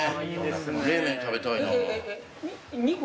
冷麺食べたいな。